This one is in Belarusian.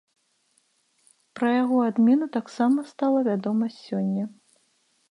Пра яго адмену таксама стала вядома сёння.